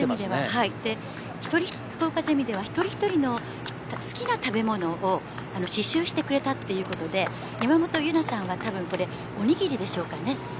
福岡ゼミでは一人一人の好きな食べ物を刺しゅうしてくれたということで山本有真さんはたぶんおにぎりでしょうかね。